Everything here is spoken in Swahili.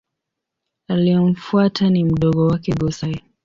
Aliyemfuata ni mdogo wake Go-Sai.